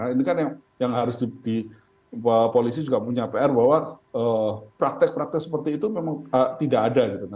ini kan yang harus di polisi juga punya pr bahwa praktek praktek seperti itu memang tidak ada